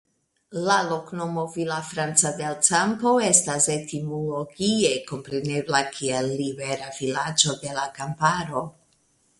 La loknomo "Villafranca del Campo" estas etimologie komprenebla kiel "Libera Vilaĝo de la Kamparo".